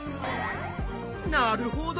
なるほど！